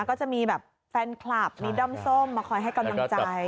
ก็จะมีแบบแฟนคลับมีด้อมส้มมาคอยให้กำลังใจ